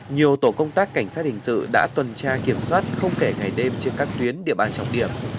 nhiều tổ công tác cảnh sát hình sự đã tuần tra kiểm soát không kể ngày đêm trên các tuyến địa bàn trọng điểm